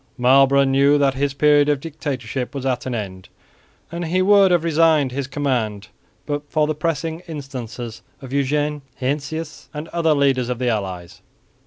Marlborough knew that his period of dictatorship was at an end, and he would have resigned his command but for the pressing instances of Eugene, Heinsius and other leaders of the allies.